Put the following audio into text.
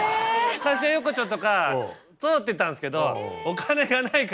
菓子屋横丁とか通ってたんですけど。